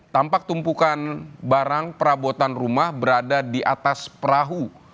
tampak tumpukan barang perabotan rumah berada di atas perahu